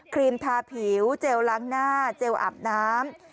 ครีมทาผิวเจลล้างหน้าเจลอาบน้ำ